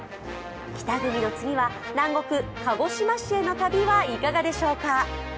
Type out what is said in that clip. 北国の次は南国・鹿児島市への旅はいかがでしょうか。